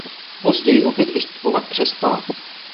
Později opět vystupovat přestala.